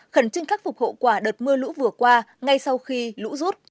khẩn trương khắc phục hậu quả đợt mưa lũ vừa qua ngay sau khi lũ rút